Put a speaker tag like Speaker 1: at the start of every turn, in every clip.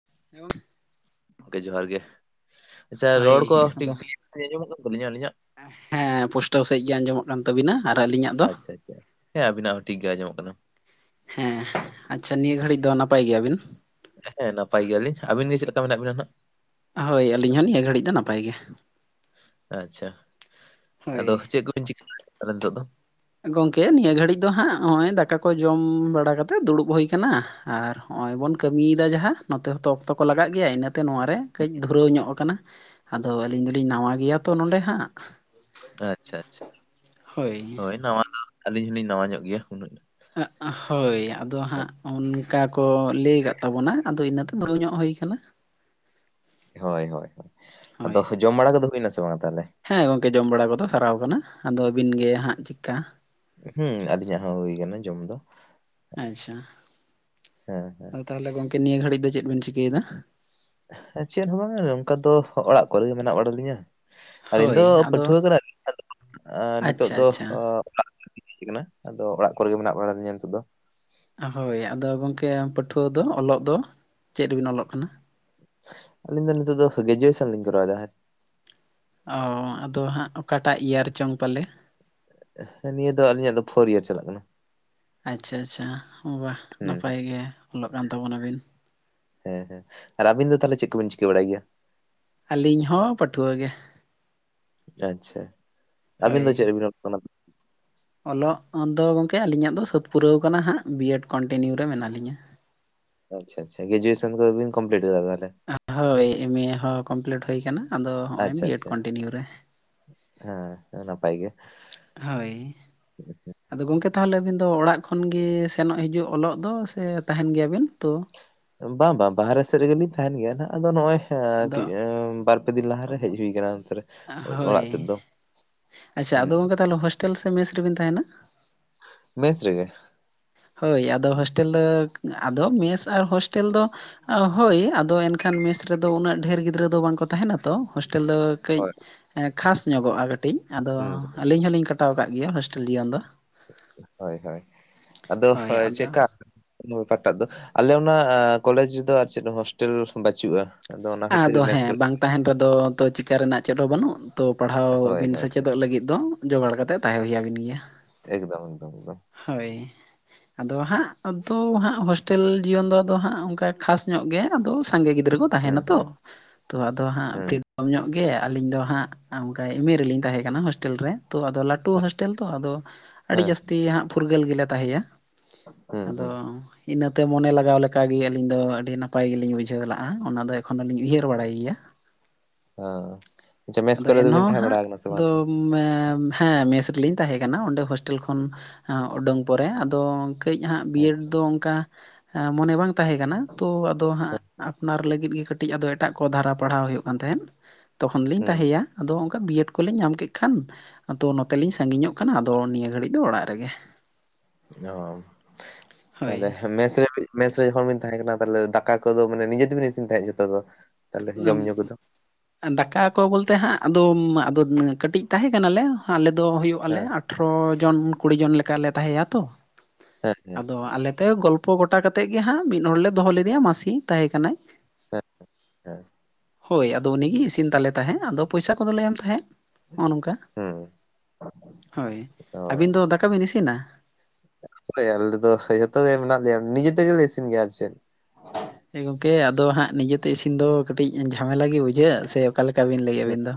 Speaker 1: [inaudible]
Speaker 2: ᱜᱚᱝᱠᱮ ᱡᱚᱦᱟᱨ ᱜᱮ, ᱟᱪᱪᱷᱟ ᱨᱚᱲ
Speaker 1: ᱦᱳᱭ
Speaker 2: ᱠᱚ [inaudible] ᱟᱸᱡᱚᱢᱚᱜ ᱠᱟᱱ ᱛᱟᱹᱞᱤᱧᱟ ᱟᱹᱞᱤᱧᱟᱜ?
Speaker 1: ᱮ ᱦᱮᱸ ᱯᱳᱥᱴᱟᱹᱣ ᱥᱟᱺᱦᱤᱡ ᱜᱮ ᱟᱸᱡᱚᱢᱚᱜ ᱠᱟᱱ ᱛᱟᱵᱤᱱᱟ ᱟᱨ ᱟᱹᱞᱤᱧᱟᱜ ᱫᱚ?
Speaker 2: ᱟᱪᱪᱷᱟ ᱟᱪᱪᱷᱟ ᱦᱮᱸ ᱟᱵᱤᱱᱟᱜ ᱦᱚᱸ ᱴᱷᱤᱠ ᱜᱮ ᱟᱸᱚᱢᱚᱜ ᱠᱟᱱᱟ᱾
Speaker 1: ᱦᱮᱸ ᱟᱪᱪᱷᱟ ᱱᱤᱭᱟᱹ ᱜᱷᱟᱹᱲᱤᱡ ᱫᱚ ᱱᱟᱯᱟᱭ ᱜᱮᱭᱟᱵᱤᱱ?
Speaker 2: ᱦᱮᱸ ᱱᱟᱯᱟᱭ ᱜᱮᱭᱟᱞᱤᱧ, ᱟᱹᱵᱤᱱ ᱜᱮ ᱪᱮᱫ ᱞᱮᱠᱟ ᱢᱮᱱᱟᱜ ᱵᱤᱱᱟ ᱱᱟᱜ?
Speaker 1: ᱦᱳᱭ ᱟᱹᱞᱤᱧ ᱦᱚᱸ ᱱᱤᱭᱟᱹ ᱜᱷᱟᱹᱲᱤᱡ ᱫᱚ ᱱᱟᱯᱟᱭ ᱜᱮ᱾
Speaker 2: ᱟᱪᱪᱷᱟ
Speaker 1: ᱦᱳᱭ
Speaker 2: ᱟᱫᱚ ᱪᱮᱫ ᱠᱚᱵᱤᱱ ᱪᱤᱠᱟᱹ [inaudible] ᱛᱟᱞᱦᱮ ᱱᱤᱛᱚᱜ ᱫᱚ?
Speaker 1: ᱜᱚᱝᱠᱮ ᱱᱤᱭᱟᱹ ᱜᱷᱟᱹᱲᱤᱡ ᱫᱚ ᱦᱟᱸᱜ ᱦᱚᱸᱜᱼᱚᱭ ᱫᱟᱠᱟ ᱠᱚ ᱡᱚᱢ ᱵᱟᱲᱟ ᱠᱛᱮ ᱫᱩᱲᱩᱵ ᱦᱩᱭ ᱠᱟᱱᱟ᱾ ᱟᱨ ᱦᱚᱸᱜᱼᱚᱭ ᱵᱚᱱ ᱠᱟᱹᱢᱤᱭᱮᱫᱟ ᱡᱟᱦᱟᱸ ᱱᱚᱛᱮ ᱦᱚᱸᱛᱚ ᱚᱠᱛᱚ ᱠᱚ ᱞᱟᱜᱟᱜ ᱜᱮᱭᱟ ᱤᱱᱟᱹ ᱛᱮ ᱱᱚᱣᱟᱨᱮ ᱠᱟᱹᱡ ᱫᱷᱩᱨᱟᱹᱣ ᱧᱚᱜ ᱟᱠᱟᱱᱟ, ᱟᱫᱚ ᱟᱹᱞᱤᱧ ᱫᱚᱞᱤᱧ ᱱᱟᱣᱟ ᱜᱮᱭᱟ ᱛᱚ ᱱᱚᱸᱰᱮ ᱦᱟᱸᱜ᱾
Speaker 2: ᱟᱪᱪᱷᱟ ᱟᱪᱪᱷᱟ, ᱦᱳᱭ ᱱᱟᱣᱟ ᱫᱚ ᱟᱹᱞᱤᱧ ᱦᱚᱸᱞᱤᱧ ᱱᱟᱣᱟ ᱧᱚᱜ ᱜᱮᱭᱟ, ᱩᱱᱟᱹᱜ
Speaker 1: ᱮᱸᱜ ᱦᱳᱭ ᱟᱫᱚ ᱦᱟᱸᱜ ᱚᱱᱠᱟ ᱠᱚ ᱞᱮᱭ ᱠᱟᱜ ᱛᱟᱵᱚᱱᱟ ᱟᱫᱚ ᱤᱱᱟᱹ ᱛᱮ ᱫᱷᱩᱨᱟᱹᱣ ᱧᱚᱜ ᱦᱩᱭ ᱠᱟᱱᱟ᱾
Speaker 2: ᱦᱳᱭ ᱦᱳᱭ ᱦᱳᱭ,
Speaker 1: ᱦᱳᱭ
Speaker 2: ᱟᱫᱚ ᱡᱚᱢ ᱵᱟᱲᱟ ᱠᱚᱫᱚ ᱦᱩᱭᱱᱟ ᱥᱮ ᱵᱟᱝ ᱛᱟᱦᱞᱮ?
Speaker 1: ᱦᱮᱸ ᱜᱚᱝᱠᱮ ᱡᱚᱢ ᱵᱟᱲᱟ ᱠᱚᱫᱚ ᱥᱟᱨᱟᱣ ᱠᱟᱱᱟ, ᱟᱫᱚ ᱟᱹᱵᱤᱱ ᱜᱮ ᱦᱟᱸᱜ ᱪᱮᱫᱠᱟ?
Speaker 2: ᱦᱩᱸ ᱟᱹᱞᱤᱧᱟᱜ ᱦᱚᱸ ᱦᱩᱭ ᱠᱟᱱᱟ ᱡᱚᱢ ᱫᱚ᱾
Speaker 1: ᱟᱪᱪᱷᱟ,
Speaker 2: ᱦᱮᱸ
Speaker 1: ᱟᱫᱚ ᱛᱟᱦᱚᱞᱮ ᱜᱚᱝᱠᱮ ᱱᱤᱭᱟᱹ ᱜᱷᱟᱹᱲᱤᱡ ᱫᱚ ᱪᱮᱫ ᱵᱮᱱ ᱪᱤᱠᱟᱹᱭᱮᱫᱟ?
Speaker 2: ᱪᱮᱫ ᱦᱚᱸ ᱵᱟᱝᱟ ᱱᱚᱝᱠᱟ ᱫᱚ ᱚᱲᱟᱜ ᱠᱚᱨᱮ ᱜᱮ ᱢᱮᱱᱟᱜ ᱵᱟᱲᱟ ᱞᱤᱧᱟ᱾ ᱟᱹᱞᱤᱧ
Speaker 1: ᱦᱳᱭ
Speaker 2: ᱫᱚ
Speaker 1: ᱟᱫᱚ
Speaker 2: ᱯᱟᱹᱴᱷᱩᱣᱟᱹ [inaudible] ᱟ ᱱᱤᱛᱳᱜ
Speaker 1: ᱟᱪᱪᱷᱟ
Speaker 2: ᱫᱚ
Speaker 1: ᱟᱪᱪᱷᱟ
Speaker 2: [inaudible] [inaudible] ᱠᱟᱱᱟ ᱟᱫᱚ ᱚᱲᱟᱜ ᱠᱚᱨᱮ ᱜᱮ ᱢᱮᱱᱟᱜ ᱵᱟᱲᱟ ᱞᱤᱧᱟ ᱱᱤᱛᱚᱜ ᱫᱚ᱾
Speaker 1: ᱦᱳᱭ ᱟᱫᱚ ᱜᱚᱝᱠᱮ ᱯᱟᱹᱴᱷᱩᱣᱟᱹ ᱫᱚ ᱚᱞᱚᱜ ᱫᱚ ᱪᱮᱫ ᱨᱮᱵᱤᱱ ᱚᱞᱚᱜ ᱠᱟᱱᱟ?
Speaker 2: ᱟᱹᱞᱤᱧ ᱫᱚ ᱱᱤᱛᱳᱜ ᱫᱚ ᱜᱮᱡᱩᱭᱮᱥᱮᱱ ᱞᱤᱧ ᱠᱚᱨᱟᱣ ᱮᱫᱟ᱾
Speaker 1: ᱚ ᱟᱫᱚ ᱦᱟᱸᱜ ᱚᱠᱟᱴᱟᱜ ᱤᱭᱟᱨ ᱪᱚᱝ ᱯᱟᱞᱮ?
Speaker 2: ᱦᱮᱸ ᱱᱤᱭᱟᱹ ᱫᱚ ᱟᱹᱞᱤᱧᱟᱜ ᱫᱚ ᱯᱷᱳᱨ ᱤᱭᱟᱨ ᱪᱟᱞᱟᱜ ᱠᱟᱱᱟ᱾
Speaker 1: ᱟᱪᱪᱷᱟ ᱟᱪᱪᱷᱟ ᱵᱟᱦ
Speaker 2: ᱦᱩᱸ ᱦᱩᱸ
Speaker 1: ᱱᱟᱯᱟᱭ ᱜᱮ ᱚᱞᱚᱜ ᱠᱟᱱ ᱛᱟᱵᱚᱱᱟᱵᱤᱱ᱾
Speaker 2: ᱦᱮᱸ ᱦᱮᱸ ᱟᱨ ᱟᱹᱵᱤᱱ ᱫᱚ ᱛᱟᱦᱞᱮ ᱪᱮᱫ ᱠᱚᱵᱤᱱ ᱪᱤᱠᱟᱹ ᱵᱟᱲᱟᱭ ᱜᱮᱭᱟ?
Speaker 1: ᱟᱹᱞᱤᱧ ᱦᱚᱸ ᱯᱟᱹᱴᱷᱣᱟᱹ ᱜᱮ᱾
Speaker 2: ᱟᱪᱪᱷᱟ ᱟᱹᱵᱤᱱ
Speaker 1: ᱦᱳᱭ
Speaker 2: ᱫᱚ ᱪᱮᱫ ᱨᱮᱵᱤᱱ [inaudible] ᱠᱟᱱᱟ?
Speaker 1: ᱚᱞᱚᱜ ᱫᱚ ᱜᱚᱝᱠᱮ ᱟᱹᱞᱤᱧᱟᱜ ᱫᱚ ᱥᱟᱹᱛ ᱯᱩᱨᱟᱹᱣ ᱠᱟᱱᱟ ᱦᱟᱸᱜ ᱵᱤ ᱮᱰ ᱠᱚᱱᱴᱤᱱᱤᱭᱩ ᱨᱮ ᱢᱮᱱᱟᱜ ᱞᱤᱧᱟᱹ᱾
Speaker 2: ᱟᱪᱪᱷᱟ ᱪᱷᱟ ᱜᱮᱡᱩᱭᱮᱥᱮᱱ ᱠᱚᱫᱚ ᱵᱤᱱ ᱠᱚᱢᱯᱞᱤᱴ ᱠᱟᱫᱟᱢ ᱛᱟᱦᱞᱮ?
Speaker 1: ᱚ ᱦᱳᱭ ᱮᱢ ᱮ ᱦᱚᱸ ᱠᱚᱢᱯᱞᱤᱴ ᱦᱩᱭ ᱠᱟᱱᱟ ᱟᱫᱚ ᱦᱚᱸᱜᱼᱚᱭ
Speaker 2: ᱟᱪᱪᱷᱟ
Speaker 1: ᱵᱤ ᱮᱰ
Speaker 2: ᱟᱪᱪᱷᱟ
Speaker 1: ᱠᱚᱱᱴᱤᱱᱤᱭᱩ ᱨᱮ᱾
Speaker 2: ᱦᱮᱸ ᱛᱚ ᱱᱟᱯᱟᱭ ᱜᱮ᱾
Speaker 1: ᱦᱳᱭ ᱟᱫᱚ ᱜᱚᱢᱠᱮ ᱛᱟᱦᱚᱞᱮ ᱟᱹᱵᱤᱱ ᱫᱚ ᱚᱲᱟᱜ ᱠᱷᱚᱱ ᱜᱮ ᱥᱮᱱᱚᱜ ᱦᱤᱡᱩᱜ ᱚᱞᱚᱜ ᱫᱚ ᱥᱮ ᱛᱟᱦᱮᱱ ᱜᱮᱭᱟᱵᱤᱱ ᱛᱚ᱾
Speaker 2: ᱵᱟᱝ ᱵᱟᱝ ᱵᱟᱦᱨᱮ ᱥᱮᱫ ᱨᱮᱜᱮᱞᱤᱧ ᱛᱟᱦᱮᱱ ᱜᱮᱭᱟ ᱱᱟᱜ ᱟᱫᱚ ᱱᱚᱜᱼᱚᱭ
Speaker 1: ᱟᱫᱚ
Speaker 2: ᱵᱟᱨ ᱯᱟᱨᱯᱮ ᱫᱤᱱ ᱞᱟᱦᱮ ᱨᱮ ᱦᱮᱡ ᱦᱩᱭ ᱟᱠᱟᱱᱟ ᱚᱱᱛᱮ ᱨᱮ
Speaker 1: ᱦᱳᱭ
Speaker 2: ᱚᱲᱟᱜ ᱥᱮᱫ ᱫᱚ
Speaker 1: ᱟᱪᱪᱷᱟ
Speaker 2: ᱦᱩᱸ
Speaker 1: ᱟᱫᱚ ᱜᱚᱢᱠᱮ
Speaker 2: ᱦᱩᱸ
Speaker 1: ᱛᱟᱦᱚᱞᱮ ᱦᱳᱥᱴᱮᱞ ᱥᱮ ᱢᱮᱥ ᱨᱮᱵᱤᱱ ᱛᱟᱦᱮᱱᱟ᱾
Speaker 2: ᱢᱮᱥᱨᱮᱜᱮ᱾
Speaker 1: ᱦᱳᱭ ᱟᱫᱚ ᱦᱳᱥᱴᱮᱞ ᱫᱚ ᱟᱫᱚ ᱢᱮᱥ ᱟᱨ ᱦᱳᱥᱴᱮᱞ ᱫᱚ ᱦᱳᱭ ᱟᱫᱚ ᱮᱱᱠᱷᱟᱱᱼᱼᱼ ᱠᱷᱟᱱ ᱢᱮᱥ ᱨᱮᱫᱚ ᱩᱱᱟᱹᱜ ᱰᱷᱮᱨ ᱜᱤᱫᱽᱨᱟᱹ ᱫᱚ ᱵᱟᱝᱠᱚ ᱛᱟᱦᱮᱱᱟ ᱛᱚ ᱦᱳᱥᱴᱮᱞ ᱫᱚ ᱠᱟᱹᱡᱼᱼᱼ
Speaker 2: ᱦᱳᱭ
Speaker 1: ᱠᱷᱟᱥ ᱧᱚᱜᱚᱜᱼᱟ ᱠᱟᱹᱴᱤᱡ ᱟᱫᱚ
Speaker 2: ᱦᱩᱸ
Speaker 1: ᱟᱹᱞᱤᱧ ᱦᱚᱞᱤᱧ ᱠᱟᱴᱟᱣ ᱟᱠᱟᱫ ᱜᱮᱭᱟ ᱦᱳᱥᱴᱮᱞ ᱡᱤᱭᱚᱱ ᱫᱚᱼᱼ
Speaker 2: ᱦᱳᱭ ᱦᱳᱭ ᱟᱫᱚ ᱦᱳᱭ ᱪᱮᱫᱠᱟ ᱚᱠᱟᱴᱟᱜ ᱫᱚ ᱟᱞᱮ ᱚᱱᱟ ᱠᱚᱞᱮᱡᱽ ᱨᱮᱫᱚ ᱟᱨ ᱪᱮᱫ ᱦᱳᱥᱴᱮᱞ ᱵᱟᱹᱪᱩᱜᱼᱟ᱾ ᱟᱫᱚ ᱚᱱᱟ ᱠᱷᱟᱹᱛᱤᱨ
Speaker 1: ᱟᱫᱚ
Speaker 2: ᱢᱮᱥ
Speaker 1: ᱦᱮᱸ
Speaker 2: ᱠᱚᱨᱮ
Speaker 1: ᱵᱟᱝ ᱛᱟᱦᱮᱱ ᱨᱮᱫᱚ ᱛᱚ ᱪᱤᱠᱟᱹ ᱨᱮᱱᱟᱜ ᱪᱮᱫ ᱦᱚᱸ ᱵᱟᱹᱱᱩᱜ᱾ ᱛᱚ
Speaker 2: ᱦᱳᱭ
Speaker 1: ᱯᱟᱲᱦᱟᱣᱵᱤᱱ
Speaker 2: ᱦᱳᱭ ᱦᱳᱭ
Speaker 1: ᱥᱮᱪᱮᱫᱚᱜ ᱞᱟᱹᱜᱤᱫ ᱫᱚ ᱡᱚᱜᱟᱲ ᱠᱟᱛᱮ ᱛᱟᱦᱮᱸ ᱦᱩᱭ ᱟᱵᱤᱱ ᱜᱮᱭᱟ᱾
Speaker 2: ᱮᱠᱫᱚᱢ ᱮᱠᱫᱚᱢ ᱮᱠᱫᱚᱢ᱾
Speaker 1: ᱦᱳᱭ ᱟᱫᱚ ᱦᱟᱸᱜ ᱟᱫᱚ ᱦᱟᱸᱜ ᱦᱳᱥᱴᱮᱞ ᱡᱤᱭᱚᱱ ᱫᱚ ᱟᱫᱚ ᱦᱟᱸᱜ ᱚᱱᱠᱟ ᱠᱷᱟᱥ ᱧᱚᱜ ᱜᱮ ᱟᱫᱚ ᱥᱟᱸᱜᱮ ᱜᱤᱫᱽᱨᱟᱹ ᱠᱚᱼᱼᱺ
Speaker 2: ᱦᱩᱸ
Speaker 1: ᱛᱟᱦᱮᱱᱟᱛᱚ
Speaker 2: ᱦᱩᱸ
Speaker 1: ᱛᱚ ᱟᱫᱚ ᱦᱟᱸᱜ
Speaker 2: ᱦᱩᱸ
Speaker 1: ᱯᱷᱨᱤᱰᱚᱢ ᱠᱚᱢ ᱧᱚᱜ ᱜᱮ ᱟᱹᱞᱤᱧ ᱫᱚ ᱦᱟᱸᱜ᱾ ᱚᱱᱠᱟ ᱮᱢᱮᱨᱞᱤᱧ ᱛᱟᱦᱮᱸ ᱠᱟᱱᱟ ᱦᱳᱥᱴᱮᱞ ᱨᱮ ᱛᱚ ᱟᱫᱚ ᱞᱟᱹᱴᱩ ᱦᱳᱥᱴᱮᱞ ᱛᱚ ᱟᱫᱚᱼᱼᱼ ᱟᱹᱰᱤ
Speaker 2: ᱦᱮᱸ
Speaker 1: ᱡᱟᱹᱥᱛᱤ ᱦᱟᱸᱜ ᱯᱷᱩᱨᱜᱟᱹᱞ ᱜᱮ ᱞᱮ ᱛᱟᱦᱮᱜᱼᱟ
Speaker 2: ᱦᱩᱸ ᱦᱩᱸ
Speaker 1: ᱟᱫᱚᱼᱼᱺ ᱤᱱᱟᱹᱛᱮ ᱢᱚᱱᱮ ᱞᱟᱜᱟᱣ ᱞᱮᱠᱟᱜᱮ ᱟᱹᱞᱤᱧ ᱫᱚ ᱟᱹᱰᱤ ᱱᱟᱯᱟᱭ ᱜᱮᱞᱤᱧ ᱵᱩᱡᱷᱟᱹᱣ ᱞᱮᱫᱟᱜᱼᱟ ᱚᱱᱟ ᱫᱚ ᱮᱠᱷᱚᱱ ᱫᱚᱞᱤᱧ ᱩᱭᱦᱟᱹᱨ ᱵᱟᱲᱟᱭ ᱜᱮᱭᱟ᱾ [inaudible]
Speaker 2: ᱦ ᱟᱪᱪᱷᱟ ᱢᱮᱥ
Speaker 1: ᱟᱫᱚ
Speaker 2: ᱠᱚᱨᱮ ᱫᱚᱵᱤᱱ
Speaker 1: ᱮᱱᱦᱚᱸ
Speaker 2: ᱛᱟᱦᱮᱸ
Speaker 1: ᱦᱟᱸᱜ
Speaker 2: ᱵᱟᱲᱟ ᱠᱟᱱᱟ ᱥᱮ ᱵᱟᱝ᱾
Speaker 1: ᱟᱫᱚ ᱦᱮᱸ ᱢᱮᱥ ᱨᱮᱞᱤᱧ ᱛᱟᱦᱮᱸ ᱠᱟᱱᱟ ᱚᱸᱰᱮ ᱦᱳᱥᱴᱮᱞ ᱠᱷᱚᱱ ᱩᱰᱟᱹᱝ ᱯᱚᱨᱮ ᱟᱫᱚ ᱠᱟᱹᱡ ᱦᱟᱸᱜ ᱵᱤᱭᱮᱰ
Speaker 2: ᱟᱪᱪᱷᱟ
Speaker 1: ᱫᱚ ᱚᱱᱠᱟ᱾ ᱢᱚᱱᱮ ᱵᱟᱝ ᱛᱟᱦᱮᱸ ᱠᱟᱱᱟ ᱛᱚ ᱟᱫᱚ ᱦᱟᱸᱜ ᱟᱯᱱᱟᱨ ᱞᱟᱹᱜᱤᱫ ᱜᱮ ᱠᱟᱹᱴᱤᱡ ᱟᱫᱚ ᱮᱴᱟᱜ ᱠᱚ ᱫᱷᱟᱨᱟ ᱯᱟᱲᱦᱟᱣ ᱦᱩᱭᱩᱜ ᱠᱟᱱ ᱛᱟᱦᱮᱸᱫ᱾ ᱛᱚᱠᱷᱚᱱ ᱞᱤᱧ
Speaker 2: ᱦᱩᱸ
Speaker 1: ᱛᱟᱦᱮᱭᱟ᱾ ᱟᱫᱚ ᱚᱱᱠᱟ ᱵᱤᱭᱮᱰ ᱠᱚᱞᱤᱮᱧ ᱧᱟᱢ ᱠᱮᱫ ᱠᱷᱟᱱ ᱟᱫᱚ ᱱᱚᱛᱮᱞᱤᱧ ᱥᱟᱺᱜᱤᱧᱚᱜ ᱠᱟᱱᱟ ᱟᱫᱚ ᱱᱤᱭᱟᱹ ᱜᱷᱟᱹᱲᱤᱡᱼᱼ ᱤᱧ ᱫᱚ ᱚᱲᱟᱜ ᱨᱮᱜᱮ᱾
Speaker 2: ᱚ
Speaker 1: ᱦᱳᱭ
Speaker 2: ᱛᱟᱦᱞᱮ ᱢᱮᱥ ᱨᱮᱢᱼᱼ ᱢᱮᱥ ᱨᱮ ᱡᱚᱠᱚᱱ ᱵᱤᱱ ᱛᱟᱦᱮᱸ ᱠᱟᱱᱟ ᱛᱟᱦᱚᱞᱮ ᱫᱟᱠᱟ ᱠᱚᱫᱚ ᱢᱟᱱᱮ ᱱᱤᱡᱮ ᱛᱮᱵᱤᱱ ᱤᱥᱤᱱ ᱛᱟᱦᱮᱸᱫ ᱡᱚᱛᱚ ᱫᱚ᱾ ᱛᱟᱦᱚᱞᱮ ᱡᱚᱢ ᱧᱩ ᱠᱚᱫᱚ
Speaker 1: ᱦᱩᱸᱼᱼᱼ ᱫᱟᱠᱟ ᱠᱚ ᱵᱚᱞᱛᱮ ᱦᱟᱸᱜ ᱟᱫᱚ ᱟᱫᱚ ᱠᱟᱹᱴᱤᱡ ᱛᱟᱦᱮᱸ ᱠᱟᱱᱟᱞᱮ ᱟᱞᱮ ᱫᱚ ᱦᱩᱭᱩᱜ ᱟᱞᱮ
Speaker 2: ᱦᱮᱸ
Speaker 1: ᱾ ᱚ ᱡᱚᱱ ᱠᱩᱲᱤ ᱡᱚᱱ ᱞᱮᱠᱟᱞᱮ ᱛᱟᱦᱮᱸ ᱟ ᱛᱚ
Speaker 2: ᱦᱮᱸ ᱦᱮᱸ
Speaker 1: ᱟᱫᱚ ᱟᱞᱮ ᱫᱚ ᱜᱚᱞᱚᱼᱼ ᱯᱷᱚ ᱜᱚᱴᱟ ᱠᱟᱛᱮᱫ ᱜᱮ ᱦᱟᱸᱜ ᱢᱤᱫ ᱦᱚᱲ ᱞᱮ ᱫᱚᱦᱚ ᱞᱮᱫᱮᱭᱟ ᱢᱟᱸᱥᱤ ᱛᱟᱦᱮᱸ ᱠᱟᱱᱟᱭ᱾
Speaker 2: [inaudible]
Speaker 1: ᱦᱳᱭ ᱟᱫᱚ ᱩᱱᱤ ᱜᱮ ᱤᱥᱤᱱ ᱛᱟᱞᱮ ᱛᱟᱦᱮᱸᱫ ᱟᱫᱚ ᱯᱚᱭᱥᱟ ᱠᱚᱫᱚ ᱞᱮ ᱮᱢ ᱛᱟᱦᱮᱸᱫ ᱱᱚᱜᱼᱚᱭ ᱱᱚᱝᱠᱟ᱾
Speaker 2: ᱦᱩᱸ
Speaker 1: ᱦᱳᱭ
Speaker 2: ᱚ
Speaker 1: ᱟᱹᱵᱤᱱ ᱫᱚ ᱫᱟᱠᱟ ᱵᱤᱱ ᱤᱥᱤᱱᱟ᱾
Speaker 2: ᱦᱳᱭ ᱟᱞᱮ ᱫᱚ ᱥᱮᱭ ᱡᱚᱛᱚ ᱜᱮ ᱢᱮᱱᱟᱜ ᱞᱮᱭᱟ ᱱᱤᱡᱮ ᱛᱮᱜᱮ ᱞᱮ ᱤᱥᱤᱱ ᱜᱮᱭᱟ ᱟᱨ ᱪᱮᱫᱼᱼ
Speaker 1: ᱦᱮᱸ ᱜᱚᱢᱠᱮ ᱟᱫᱚ ᱦᱟᱸᱜ ᱱᱤᱡᱮ ᱛᱮ ᱤᱥᱤᱱ ᱫᱚ ᱠᱟᱹᱴᱤᱡ ᱡᱷᱟᱢᱮᱞᱟ ᱜᱮ ᱵᱩᱡᱷᱟᱹᱜᱼᱟ ᱥᱮ ᱚᱠᱟ ᱞᱮᱠᱟ ᱵᱤᱱ ᱞᱟᱹᱭᱮᱫ ᱟᱵᱤᱱ
Speaker 2: ᱦᱩᱸ
Speaker 1: ᱫᱚ᱾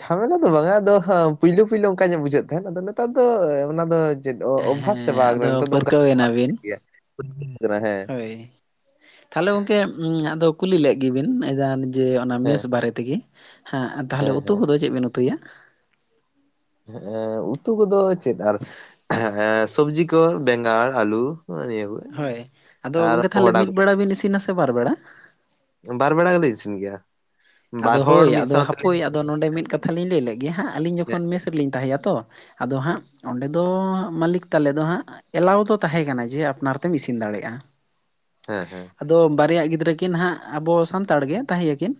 Speaker 2: ᱡᱷᱟᱢᱮᱞᱟ ᱫᱚ ᱵᱟᱝᱟ ᱟᱫᱚ ᱯᱳᱭᱞᱳ ᱯᱳᱭᱞᱳ ᱚᱱᱠᱟ ᱜᱮ ᱵᱩᱡᱷᱟᱹᱜ ᱛᱟᱦᱮᱸᱱ ᱟᱫᱚ ᱱᱮᱛᱟᱨ ᱫᱚ ᱚᱱᱟ ᱫᱚ᱾ ᱪᱮᱫ ᱚᱵᱷᱟᱥ ᱪᱟᱵᱟ
Speaker 1: ᱦᱮᱸ
Speaker 2: ᱟᱠᱟᱱᱟ
Speaker 1: ᱟᱫᱚ
Speaker 2: ᱱᱤᱛᱚᱜ ᱫᱚ ᱚᱱᱠᱟ
Speaker 1: ᱯᱟᱹᱨᱠᱟᱹᱣ ᱮᱱᱟᱵᱤᱱ
Speaker 2: ᱦᱮᱸ᱾
Speaker 1: ᱛᱟᱦᱞᱮ ᱜᱚᱝᱠᱮ ᱟᱫᱚ ᱠᱩᱞᱤ ᱞᱮᱜ ᱜᱮᱵᱤᱱ ᱡᱮ ᱚᱱᱟ ᱢᱮᱥ
Speaker 2: ᱦᱮᱸ
Speaker 1: ᱵᱟᱨᱮ ᱛᱮᱜᱮ᱾ ᱦᱮᱸ ᱛᱟᱦᱚᱞᱮ ᱩᱛᱩ ᱠᱚᱫᱚ ᱪᱮᱫ ᱵᱤᱱ ᱩᱛᱩᱭᱟ᱾
Speaker 2: ᱦᱮᱸ ᱩᱛᱩ ᱠᱚᱫᱚ ᱪᱮᱫ ᱟᱨ᱾ ᱥᱚᱵᱽᱡᱤ ᱠᱚ ᱵᱮᱸᱜᱟᱲ ᱟᱞᱩ ᱱᱤᱭᱟᱹ ᱠᱚ᱾
Speaker 1: ᱦᱳᱭ ᱟᱫᱚ
Speaker 2: ᱟᱨ
Speaker 1: ᱜᱚᱢᱠᱮ ᱛᱟᱦᱚᱞᱮ
Speaker 2: ᱠᱚᱸᱦᱰᱟ
Speaker 1: ᱢᱤᱫ
Speaker 2: ᱠᱚ
Speaker 1: ᱵᱮᱲᱟ ᱵᱤᱱ ᱤᱥᱤᱱᱟᱥᱮ ᱵᱟᱨ ᱵᱮᱲᱟ?
Speaker 2: ᱵᱟᱨ ᱵᱮᱲᱟ ᱜᱮᱞᱤᱧ ᱤᱥᱤᱱ ᱜᱮᱭᱟ᱾ ᱵᱟᱨ
Speaker 1: ᱟᱫᱚ
Speaker 2: ᱦᱚᱲ
Speaker 1: ᱦᱳᱭ
Speaker 2: ᱢᱤᱫ
Speaker 1: ᱟᱫᱚ
Speaker 2: ᱥᱟᱶ
Speaker 1: ᱦᱟᱯᱳᱭ
Speaker 2: ᱛᱮᱞᱤᱧ
Speaker 1: ᱟᱫᱚ ᱱᱚᱸᱰᱮ ᱢᱤᱫ ᱠᱟᱛᱷᱟ ᱞᱤᱧ ᱞᱟᱹᱭ ᱞᱮᱜᱮ ᱦᱟᱸᱜ ᱟᱞᱤᱧ ᱡᱚᱠᱷᱚᱱ ᱢᱮᱥ ᱨᱮᱞᱤᱧ ᱛᱟᱦᱮᱸ ᱭᱟᱛᱚ ᱟᱫᱚ ᱦᱟᱸᱜ ᱚᱸᱰᱮ ᱫᱚ ᱢᱟᱹᱞᱤᱠ ᱛᱟᱞᱮ ᱫᱚ ᱦᱟᱸᱜ ᱮᱞᱟᱣ ᱫᱚ ᱛᱟᱦᱮᱸ ᱠᱟᱱᱟ ᱡᱮ ᱟᱯᱱᱟᱨ ᱛᱮᱢ ᱤᱥᱤᱱ ᱫᱟᱲᱮᱭᱟᱜᱼᱟ᱾
Speaker 2: ᱦᱮ‍ᱸ ᱦᱮᱸ᱾
Speaker 1: ᱟᱫᱚ ᱵᱟᱨᱭᱟ ᱜᱤᱫᱽᱨᱟᱹ ᱠᱤᱱ ᱱᱟᱦᱟᱸᱜ ᱟᱵᱚ ᱥᱟᱱᱛᱟᱲ ᱜᱮ ᱛᱟᱦᱮᱸ ᱭᱟᱠᱤᱱ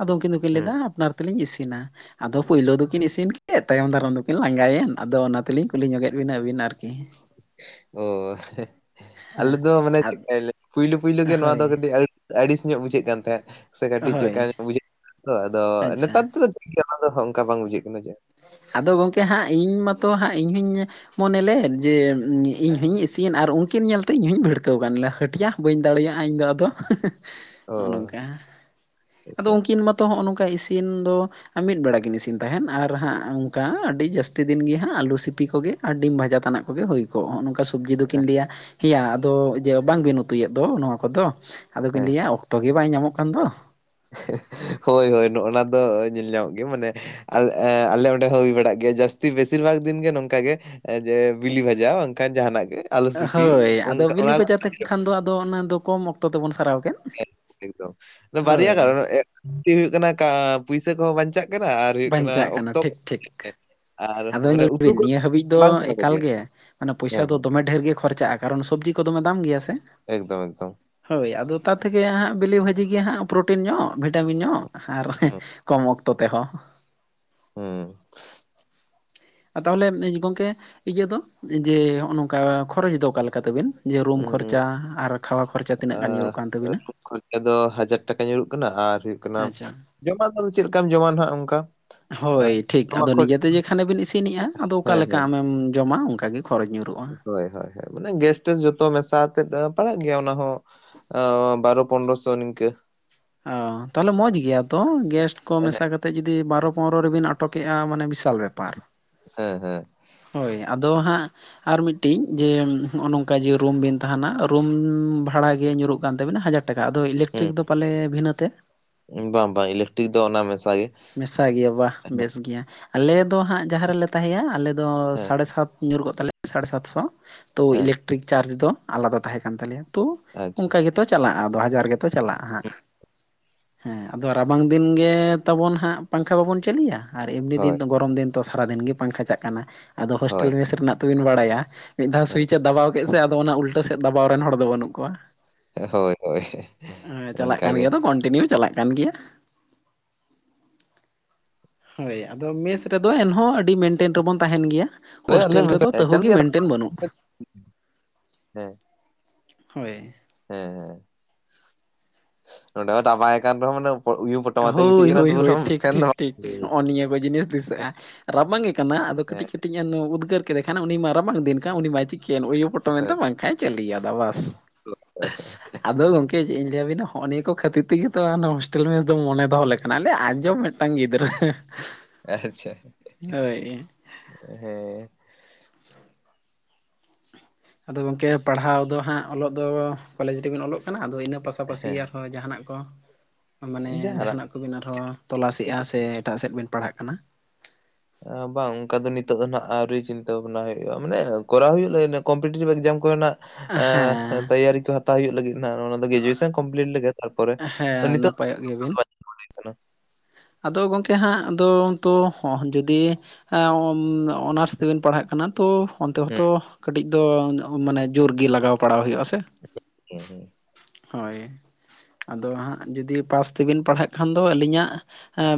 Speaker 1: ᱟᱫᱚ ᱩᱱᱠᱤᱱ ᱫᱚ ᱠᱤᱱ
Speaker 2: ᱦᱮᱸ
Speaker 1: ᱞᱟᱹᱭᱮᱫᱟ ᱟᱯᱱᱟᱨ ᱛᱮ ᱞᱤᱧ ᱤᱥᱤᱱᱟ᱾ ᱟᱫᱚ ᱯᱳᱭᱞᱳ ᱫᱚ ᱠᱤᱱ ᱤᱥᱤᱱ ᱠᱮᱫ ᱛᱟᱭᱚᱢ ᱫᱟᱨᱟᱢ ᱫᱚ ᱠᱤᱱ ᱞᱟᱸᱜᱟ ᱭᱮᱱ, ᱟᱫᱚ ᱚᱱᱟ ᱛᱮ ᱞᱤᱧ ᱠᱩᱞᱤ ᱧᱚᱜᱮᱫ ᱵᱤᱱᱟ ᱟᱵᱤᱱ ᱟᱨ
Speaker 2: ᱳᱦᱮᱸ ᱟᱞᱮ ᱫᱚ ᱢᱟᱱᱮ
Speaker 1: ᱟᱫ
Speaker 2: ᱪᱤᱠᱟᱹᱧ ᱞᱮᱭ ᱯᱩᱭᱞᱳ ᱯᱩᱭᱞᱳ ᱜᱮ ᱱᱚᱣᱟ ᱫᱚ
Speaker 1: ᱦᱳᱭ
Speaker 2: ᱠᱟᱹᱴᱤᱡ ᱟᱹᱲᱤᱥ ᱟᱹᱲᱤᱥ ᱧᱚᱜ ᱵᱩᱡᱷᱟᱹᱜ ᱠᱟᱱ ᱛᱟᱦᱮᱸᱫ ᱥᱮ ᱠᱟᱹᱴᱤᱡ ᱪᱮᱠᱟ
Speaker 1: ᱦᱳᱭ
Speaker 2: ᱧᱚᱜ ᱵᱩᱡᱷᱟᱹᱣᱜ [unintelligible] ᱛᱚ ᱟᱫᱚ
Speaker 1: ᱟᱪᱪᱷᱟ
Speaker 2: ᱱᱮᱛᱟᱨ ᱫᱚ ᱴᱷᱤᱠ ᱜᱮᱭᱟ ᱚᱱᱟ ᱫᱚ ᱚᱱᱠᱟ ᱵᱟᱝ ᱵᱩᱡᱷᱟᱹᱜ ᱠᱟᱱᱟ ᱪᱮᱫ ᱦᱚᱸ᱾
Speaker 1: ᱟᱫᱚ ᱜᱚᱢᱠᱮ ᱦᱟᱸᱜ ᱤᱧ ᱢᱟᱛᱚ ᱦᱟᱸᱜ ᱤᱧ ᱦᱩᱧ ᱢᱚᱱᱮᱞᱮᱫ ᱡᱮ ᱤᱧ ᱦᱩᱧ ᱤᱥᱱ ᱟᱨ ᱩᱱᱠᱤᱱ ᱧᱮᱞ ᱛᱮ ᱤᱧ ᱦᱩᱧ ᱵᱷᱤᱲᱠᱟᱹᱣ ᱜᱟᱱ ᱞᱮ ᱦᱟᱹᱴᱭᱟ᱾ ᱵᱟᱹᱧ ᱫᱟᱲᱮᱭᱟᱜᱼᱟ ᱤᱧ ᱫᱚ ᱟᱫᱚ [unintelligible]
Speaker 2: ᱚ
Speaker 1: ᱦᱚᱜᱼᱚᱸ ᱱᱚᱝᱠᱟ, ᱟᱫᱚ
Speaker 2: ᱟᱪᱪᱷᱟ
Speaker 1: ᱩᱱᱠᱤᱱ ᱢᱟᱛ ᱛᱚ ᱦᱚᱸᱜᱼᱚᱸ ᱱᱚᱝᱠᱟ ᱤᱥᱤᱱ ᱫᱚ ᱢᱤᱫ ᱵᱮᱲᱟ ᱠᱤᱱ ᱤᱥᱤᱱ ᱛᱟᱦᱮᱫ ᱟᱨ ᱦᱟᱸᱜ ᱚᱱᱠᱟ ᱟᱹᱰᱤ ᱡᱟᱹᱥᱛᱤ ᱫᱤᱱ ᱜᱮ ᱦᱟᱸᱜ ᱟᱹᱞᱩ ᱥᱤᱯᱤ ᱠᱚᱜᱮ ᱟᱨ ᱰᱤᱢ ᱵᱷᱟᱡᱟ ᱛᱟᱱᱟᱜ ᱠᱚᱜᱮ ᱦᱩᱭ ᱠᱚᱜ ᱱᱚᱝᱠᱟ ᱥᱚᱵᱽᱡᱤ ᱫᱚ
Speaker 2: ᱟᱪᱪᱷᱟ
Speaker 1: ᱠᱤᱱ ᱞᱟᱹᱭᱟ ᱦᱮᱸᱭᱟ ᱟᱫᱚ ᱡᱮ ᱵᱟᱝ ᱵᱤᱱ ᱩᱛᱩ ᱭᱮᱫ ᱫᱚ ᱱᱚᱣᱟ ᱠᱚᱫᱚ ᱟᱫᱚ ᱠᱤᱱ
Speaker 2: ᱦᱮᱸ
Speaker 1: ᱞᱟᱹᱭᱟ ᱚᱠᱛᱚ ᱜᱮ ᱵᱟᱭ ᱧᱟᱢᱚᱜ ᱠᱟᱱ ᱫᱚ᱾
Speaker 2: [unintelligible] ᱦᱳᱭ ᱦᱳᱭ ᱱᱚᱜᱼᱱᱚᱣᱟ ᱫᱚ ᱧᱮᱞ ᱧᱟᱢᱚᱜ ᱜᱮᱭᱟ ᱢᱟᱱᱮ ᱟᱞ ᱮᱸ ᱟᱞᱮ ᱚᱸᱰᱮ ᱦᱚᱸ ᱦᱩᱭ ᱵᱟᱲᱟᱜ ᱜᱮᱭᱟ ᱡᱟᱹᱥᱛᱤ ᱵᱮᱥᱤᱨ ᱵᱷᱟᱜ ᱫᱤᱱ ᱜᱮ ᱱᱚᱝᱠᱟ ᱜᱮ ᱮᱸ ᱡᱮ ᱵᱤᱞᱤ ᱵᱷᱟᱡᱟ ᱵᱟᱝᱠᱷᱟᱱ ᱡᱟᱦᱟᱱᱟᱜ ᱜᱮ᱾ ᱟᱞᱩ ᱥᱤᱯᱤ
Speaker 1: ᱦᱳᱭ ᱟᱫᱚ
Speaker 2: ᱚᱱᱠᱟ
Speaker 1: ᱵᱤᱞᱤ
Speaker 2: ᱚᱱᱟ
Speaker 1: ᱵᱟᱡᱟᱨ ᱛᱮ ᱠᱷᱟᱱ ᱫᱚ ᱟᱫᱚ ᱚᱱᱟ ᱫᱚ ᱠᱚᱢ ᱚᱠᱛᱚ ᱛᱮᱵᱚᱱ ᱥᱟᱨᱟᱣ ᱠᱮᱫ᱾
Speaker 2: ᱦᱮᱸ ᱮᱠᱫᱚᱢ ᱟᱫᱚ ᱵᱟᱨᱭᱟ
Speaker 1: ᱦᱳᱭ
Speaker 2: ᱜᱟᱱ ᱩᱱᱟᱹᱜ [unintelligible] ᱦᱩᱭᱩᱜ ᱠᱟᱱᱟ ᱠᱟᱻ ᱯᱩᱭᱥᱟᱹ ᱠᱚᱦᱚᱸ ᱵᱟᱧᱪᱟᱜ ᱠᱟᱱᱟ ᱟᱨ ᱦᱩᱭᱩᱜ ᱠᱟᱱᱟ
Speaker 1: ᱵᱟᱧᱪᱟᱜ
Speaker 2: ᱚᱠᱛᱚ
Speaker 1: ᱴᱷᱤᱠ ᱴᱷᱤᱠ
Speaker 2: [unintelligible]
Speaker 1: ᱟᱫᱚ
Speaker 2: ᱢᱟᱱᱮ
Speaker 1: ᱧᱮᱞ
Speaker 2: ᱩᱛᱩ
Speaker 1: ᱵᱤᱱ
Speaker 2: ᱠᱚ
Speaker 1: ᱱᱤᱭᱟᱹ ᱦᱟᱹᱵᱤᱡ ᱫᱚ
Speaker 2: ᱵᱟᱝ ᱥᱟᱱᱟ
Speaker 1: ᱮᱠᱟᱞ
Speaker 2: ᱠᱚᱜᱮᱭᱟ
Speaker 1: ᱜᱮ ᱢᱟᱱᱮ ᱯᱚᱭᱥᱟ
Speaker 2: ᱦᱮᱸ
Speaker 1: ᱫᱚ
Speaker 2: ᱦᱮᱸ
Speaker 1: ᱫᱚᱢᱮ ᱰᱷᱮᱨ ᱜᱮ ᱠᱷᱚᱨᱪᱟᱜᱼᱟ᱾ ᱠᱟᱨᱚᱱ ᱥᱚᱵᱽᱡᱤ ᱠᱚ ᱫᱚᱢᱮ ᱫᱟᱢ ᱜᱮᱭᱟ ᱥᱮ᱾
Speaker 2: ᱮᱠᱫᱚᱢ ᱮᱠᱫᱚᱢ᱾
Speaker 1: ᱦᱳᱭ ᱟᱫᱚ ᱛᱟᱨ ᱛᱷᱟᱠᱮ ᱦᱟᱸᱜ ᱵᱤᱞᱤ ᱵᱷᱟᱹᱡᱤ ᱜᱮ ᱦᱟᱸᱜ ᱯᱨᱚᱴᱤᱱ ᱧᱟᱢᱚᱜ ᱵᱷᱤᱴᱟᱢᱤᱱ ᱧᱟᱢᱚᱜ ᱟᱨ
Speaker 2: ᱦᱩᱸ
Speaker 1: [unintelligible] ᱠᱚᱢ ᱚᱠᱛᱚ ᱛᱮᱦᱚᱸ᱾
Speaker 2: ᱦᱩᱸ
Speaker 1: ᱟᱨ ᱛᱟᱦᱚᱞᱮ ᱜᱚᱢᱠᱮ ᱤᱭᱟᱹ ᱫᱚ ᱡᱮ ᱦᱚᱜᱼᱚᱸ ᱱᱚᱝᱠᱟ ᱠᱷᱚᱨᱚᱪ ᱫᱚ ᱚᱠᱟ ᱞᱮᱠᱟ ᱛᱟᱵᱤᱱ? ᱡᱮ ᱨᱩᱢ
Speaker 2: ᱩᱸ
Speaker 1: ᱠᱷᱚᱨᱪᱟ ᱟᱨ ᱠᱷᱟᱣᱟ ᱠᱷᱚᱨᱪᱟ ᱛᱤᱱᱟᱹᱜ ᱜᱟᱱ ᱧᱩᱨᱩᱜ ᱠᱟᱱ ᱛᱟᱵᱤᱱᱟ?
Speaker 2: ᱢᱤᱫᱴᱟᱝ ᱫᱚ ᱦᱟᱡᱟᱨ ᱴᱟᱠᱟ ᱧᱩᱨᱩᱜ ᱠᱟᱱᱟ, ᱟᱨ ᱦᱩᱭᱩᱜ ᱠᱟᱱᱟ
Speaker 1: ᱟᱪᱪᱟ
Speaker 2: ᱡᱚᱢᱟᱜ ᱫᱚ ᱟᱫᱚ ᱪᱮᱫ ᱞᱮᱠᱟᱢ ᱡᱚᱢᱟ ᱱᱟᱜ ᱚᱱᱠᱟ
Speaker 1: ᱦᱳᱭ ᱴᱷᱤᱠ
Speaker 2: ᱟᱢᱟᱜ
Speaker 1: ᱟᱫᱚ
Speaker 2: ᱠᱷᱚᱨᱪᱟ
Speaker 1: ᱱᱤᱡᱮᱛᱮ ᱡᱮ ᱠᱷᱟᱱᱮ ᱵᱤᱱ ᱤᱥᱤᱱᱮᱜᱼᱟ ᱟᱫᱚ ᱚᱠᱟ ᱞᱮᱠᱟ ᱟᱢᱮᱢ ᱡᱚᱢᱟ ᱚᱱᱠᱟ ᱜᱮ ᱠᱷᱚᱨᱚᱪ ᱧᱩᱨ
Speaker 2: ᱦᱳᱭ ᱦᱳᱭ ᱦᱳᱭ ᱢᱟᱱᱮ ᱜᱮᱥ ᱴᱮᱥ ᱡᱷᱚᱛᱚ ᱢᱮᱥᱟ ᱟᱛᱮᱫ ᱮᱸ ᱯᱟᱲᱟᱜ ᱜᱮᱭᱟ ᱚᱱᱟ ᱦᱚᱸ ᱚᱻ ᱵᱟᱨᱚ ᱯᱚᱱᱮᱨᱚ ᱥᱚ ᱱᱤᱝᱠᱮ᱾
Speaker 1: ᱚᱻ ᱛᱟᱦᱚᱞᱮ ᱢᱚᱸᱡᱽ ᱜᱮᱭᱟ ᱛᱚ ᱜᱮᱥ ᱠᱚ
Speaker 2: ᱦᱮᱸ
Speaker 1: ᱢᱮᱥᱟ ᱠᱟᱛᱮᱫ ᱡᱩᱫᱤ ᱵᱟᱨᱚ ᱯᱚᱱᱚᱨ ᱨᱮᱵᱤᱱ ᱟ ᱴᱚᱠᱮᱜᱼᱟ ᱢᱟᱱᱮ ᱵᱤᱥᱟᱞ ᱵᱮᱯᱟᱨ᱾
Speaker 2: ᱦᱮᱸ ᱦᱮᱸ᱾
Speaker 1: ᱦᱳᱭ ᱟᱫᱚ ᱦᱟᱸᱜ ᱟᱨ ᱢᱤᱫᱴᱤᱡ ᱡᱮ ᱦᱚᱸᱜ-ᱱᱚᱝᱠᱟ ᱡᱮ ᱨᱩᱢ ᱵᱤᱱ ᱛᱟᱦᱮᱸᱱᱟ, ᱨᱩᱢ ᱵᱷᱟᱲᱟ ᱜᱮ ᱧᱩᱨᱩᱜ ᱠᱟᱱ ᱛᱟᱹᱵᱤᱱᱟ ᱦᱟᱡᱟᱨ ᱴᱟᱠᱟ, ᱟᱫᱚ
Speaker 2: ᱦᱮᱸ
Speaker 1: ᱤᱞᱮᱠᱴᱨᱤᱠ ᱫᱚ ᱯᱟᱞᱮ ᱵᱷᱤᱱᱟᱹ ᱛᱮ?
Speaker 2: ᱵᱟᱝ ᱵᱟᱝ ᱤᱞᱮᱠᱴᱨᱤᱠ ᱫᱚ ᱚᱱᱟ ᱢᱮᱥᱟ ᱜᱮ᱾
Speaker 1: ᱢᱮᱥᱟ ᱜᱮᱭᱟ ᱵᱟᱦ,
Speaker 2: ᱦᱮᱸ
Speaker 1: ᱵᱮᱥ ᱜᱮᱭᱟ, ᱟᱞᱮ ᱫᱚ ᱦᱟᱸᱜ ᱡᱟᱦᱟᱸ ᱨᱮᱞᱮ ᱛᱟᱦᱮᱸᱭᱟ ᱟᱞᱮ ᱫᱚ
Speaker 2: ᱦᱮᱸ
Speaker 1: ᱥᱟᱲᱮ ᱥᱟᱛ ᱧᱩᱨ ᱠᱚᱜ ᱛᱟᱞᱮᱭᱟ, ᱥᱟᱲᱮ ᱥᱟᱛ ᱥᱚ, ᱛᱳ
Speaker 2: ᱦᱮᱸ
Speaker 1: ᱤᱞᱮᱠ ᱴᱨᱤᱠ ᱪᱟᱨᱪ ᱫᱚ ᱟᱞᱟᱫᱟ ᱛᱟᱦᱮᱸ ᱠᱟᱱ ᱛᱟᱞᱮᱭᱟ, ᱛᱳ
Speaker 2: ᱟᱪᱪᱷᱟ
Speaker 1: ᱚᱝᱠᱟ ᱜᱮᱛᱚ ᱪᱟᱞᱟᱜ-ᱟ ᱟᱫᱚ ᱦᱟᱡᱟᱨ ᱜᱮ᱾ ᱛᱚ ᱪᱟᱞᱟᱜᱼᱟ ᱦᱟᱸᱜ᱾ ᱦᱮᱸ ᱟᱫᱚ ᱨᱟᱵᱟᱝ ᱫᱤᱱ ᱜᱮ ᱛᱟᱵᱚᱱ ᱦᱟᱸᱜ ᱯᱟᱝᱠᱷᱟ ᱵᱟᱵᱚᱱ ᱪᱟᱞᱩᱭᱟ ᱟᱨ ᱮᱢᱱᱤ
Speaker 2: ᱦᱳᱭ
Speaker 1: ᱫᱤᱱ ᱫᱚ ᱜᱚᱨᱚᱢ ᱫᱤᱱ ᱛᱚ ᱥᱟᱨᱟᱫᱤᱱ ᱜᱮ ᱯᱟᱝᱠᱷᱟ ᱪᱟᱜ ᱠᱟᱱᱟ᱾ ᱟᱫᱚ ᱦᱳᱥᱴᱮᱞ
Speaker 2: ᱦᱳᱭ
Speaker 1: ᱢᱮᱥ ᱨᱮᱱᱟᱜ ᱛᱚᱵᱤᱱ ᱵᱟᱲᱟᱭᱟ ᱢᱤᱫ ᱫᱷᱟᱣ
Speaker 2: ᱦᱮᱸ
Speaker 1: ᱥᱩᱭᱤᱪᱮ ᱫᱟᱵᱟᱣ ᱠᱮᱜ ᱥᱮ, ᱟᱫᱚ ᱚᱱᱟ ᱩᱞᱴᱟᱹ ᱥᱮᱫ ᱫᱟᱵᱟᱣ ᱨᱮᱱ ᱦᱚᱲ ᱫᱚ ᱵᱟᱹᱱᱩᱜ ᱠᱚᱣᱟ᱾
Speaker 2: ᱦᱳᱭ ᱦᱳᱭ
Speaker 1: ᱦᱮᱸ, ᱪᱟᱞᱟᱜ ᱠᱟᱱ
Speaker 2: ᱚᱱᱠᱟᱜᱮ
Speaker 1: ᱜᱮᱭᱟ ᱛᱚ ᱠᱚᱱᱴᱤᱱᱤᱭᱩ ᱪᱟᱞᱟᱜ ᱠᱟᱱ ᱜᱮᱭᱟ᱾ ᱦᱳᱭ, ᱟᱫᱚ ᱢᱮᱥ ᱨᱮᱫᱚ ᱮᱱᱦᱚᱸ ᱟᱹᱰᱤ ᱢᱮᱱᱴᱮᱱ ᱨᱮᱵᱚᱱ ᱛᱟᱦᱮᱸᱱ ᱜᱤᱭᱟ᱾ ᱦᱳᱥᱴᱮᱞ ᱨᱮᱫᱚ ᱛᱟᱹᱦᱩ
Speaker 2: ᱪᱟᱹᱞᱩ
Speaker 1: ᱜᱮ
Speaker 2: ᱜᱮᱭᱟ
Speaker 1: ᱢᱮᱱᱴᱮᱱ ᱵᱟᱹᱱᱩᱜ᱾
Speaker 2: ᱦᱮᱸ
Speaker 1: ᱦᱳᱭ᱾
Speaker 2: ᱦᱮᱸ ᱦᱮᱸ᱾ ᱱᱚᱸᱰᱮ ᱦᱚᱸ ᱨᱟᱵᱟᱝ ᱮ ᱠᱟᱱ ᱨᱮᱦᱚᱸ ᱢᱟᱱᱮ ᱩᱭᱩ ᱯᱚ
Speaker 1: ᱦᱳᱭ ᱦᱳᱭ ᱦᱳᱭ, ᱴᱷᱤᱠ ᱴᱷᱤᱠ ᱴᱷᱤᱠ ᱦᱚᱜ-ᱚ ᱱᱤᱭᱟᱹ ᱠᱚ ᱡᱤᱱᱤᱥ ᱫᱤᱥᱟᱹᱜᱼᱟ᱾ ᱨᱟᱵᱟᱝᱮ ᱠᱟᱱᱟ, ᱟᱫᱚ
Speaker 2: ᱦᱮᱸ
Speaker 1: ᱠᱟᱹᱴᱤᱡ ᱠᱟᱹᱴᱤᱡ ᱮᱱ ᱩᱫᱽᱜᱟᱹᱨ ᱠᱮᱫᱮ ᱠᱷᱟᱱ, ᱩᱱᱤ ᱢᱟ ᱨᱟᱵᱟᱝ ᱫᱤᱱ ᱠᱟᱱ ᱩᱱᱤ ᱢᱟᱭ ᱪᱤᱠᱟᱹᱭ ᱮᱱ ᱩᱭᱩ ᱯᱚᱴᱚᱢ ᱮᱱᱛᱮ
Speaker 2: ᱦᱳᱭ
Speaker 1: ᱯᱟᱝᱠᱷᱟᱭ ᱪᱟᱹᱞᱤᱭᱟᱫᱟ ᱵᱟᱥ
Speaker 2: ᱦᱳᱭ ᱦᱳᱭ
Speaker 1: ᱟᱫᱚ ᱜᱚᱝ ᱝᱠᱮ, ᱪᱮᱱ ᱴ ᱤᱧ ᱞᱟᱹᱭᱟᱹᱵᱤᱱᱟᱹ ᱦᱚᱸᱜᱼ ᱱᱤᱭᱟᱹ ᱠᱷᱟᱹᱛᱤᱨ ᱛᱮᱜᱮ ᱛᱚ ᱚᱱᱟ ᱦᱳᱥᱴᱮᱞ ᱢᱮᱥ ᱮᱠᱫᱚᱢ ᱢᱚᱱᱮ ᱫᱚᱦᱚ ᱞᱮᱠᱟᱱᱟ, ᱟᱞᱮ ᱟᱸᱡᱚᱵ ᱢᱤᱫᱴᱟᱝ ᱜᱤᱫᱽᱨᱟᱹ᱾
Speaker 2: ᱟᱪᱪᱷᱟ, ᱦᱮᱸ᱾
Speaker 1: ᱦᱳᱭ ᱟᱫᱚ ᱜᱚᱝᱠᱮ ᱯᱟᱲᱦᱟᱣ ᱫᱚ ᱦᱟᱸᱜ ᱚᱞᱚᱜ ᱫᱚ ᱠᱚᱞᱮᱡᱽ ᱨᱮᱵᱮᱱ ᱚᱞᱚᱜ ᱠᱟᱱᱟ, ᱟᱫᱚ ᱤᱱᱟᱹ ᱯᱟᱥᱟᱯᱟᱹᱥᱤ
Speaker 2: ᱦᱮᱸ
Speaker 1: ᱟᱨᱦᱚᱸ ᱡᱟᱦᱟᱸᱱᱟᱜ ᱠᱚ, ᱢᱟᱱᱮ
Speaker 2: ᱡᱟᱦᱟᱱᱟᱜ
Speaker 1: ᱡᱟᱦᱟᱸᱱᱟᱜ ᱠᱚᱵᱤᱱ ᱟᱨᱦᱚᱸ ᱛᱚᱞᱟᱥᱮᱜᱼᱟ ᱥᱮ ᱮᱴᱟᱜ ᱥᱮᱜ ᱵᱤᱱ ᱯᱟᱲᱦᱟᱜ ᱠᱟᱱᱟ?
Speaker 2: ᱵᱟᱝ ᱚᱱᱠᱟ ᱫᱚ ᱱᱤᱛᱚᱜ ᱫᱚ ᱱᱟᱜ ᱟᱹᱣᱨᱤ ᱪᱤᱱᱛᱟᱹ ᱵᱷᱟᱵᱽᱱᱟ ᱦᱩᱭᱩᱜ-ᱟ, ᱢᱟᱱᱮ ᱠᱚᱨᱟᱣ ᱦᱩᱭᱩᱜᱼᱟ, ᱤᱱᱟᱹ ᱠᱚᱢᱯᱤᱴᱤᱮᱴᱤᱵᱷ ᱮᱠᱡᱟᱢ ᱠᱚ ᱨᱮᱱᱟᱜ᱾
Speaker 1: ᱦᱮᱸ
Speaker 2: ᱛᱮᱭᱟᱨᱤ ᱠᱚ ᱦᱟᱛᱟᱣ ᱦᱩᱭᱩᱜ ᱞᱟᱹᱜᱤᱫ ᱱᱟ, ᱚᱱᱟ ᱫᱚ ᱜᱨᱮᱡᱩᱭᱮᱥᱚᱱ ᱠᱚᱢᱯᱞᱤᱴ ᱞᱮᱜᱮ, ᱛᱟᱨᱯᱚᱨᱮ ᱱᱤᱛᱳᱜ
Speaker 1: ᱯᱟᱭᱚᱜ ᱜᱮ ᱵᱤᱱ?
Speaker 2: [unintelligible] ᱠᱟᱱᱟ᱾
Speaker 1: ᱟᱫᱚ ᱜᱚᱝᱠᱮ ᱦᱟᱸᱜ ᱟᱫᱚ ᱛᱚ ᱡᱩᱫᱤ ᱮ-ᱚᱢ-ᱚᱱᱟᱨᱥ ᱛᱮᱵᱤᱱ ᱯᱟᱲᱦᱟᱜ ᱠᱟᱱᱟ᱾ ᱛᱳ ᱚᱱᱛᱮ
Speaker 2: ᱦᱩᱸ
Speaker 1: ᱦᱚᱛᱚ ᱠᱟᱹᱴᱤᱡ ᱫᱚ ᱢᱟᱱᱮ ᱡᱳᱨᱜᱮ ᱞᱟᱜᱟᱣ ᱵᱟᱲᱟᱣ ᱦᱩᱭᱩᱜᱼᱟ ᱥᱮ᱾
Speaker 2: ᱦᱩᱸ ᱦᱩᱸ ᱾
Speaker 1: ᱦᱳᱭ, ᱟᱫᱚ ᱦᱟᱸᱜ ᱡᱩᱫᱤ ᱯᱟᱥ ᱛᱮᱵᱤᱱ ᱯᱟᱲᱦᱟᱜ ᱠᱷᱟᱱ ᱫᱚ ᱟᱹᱞᱤᱧᱟᱜ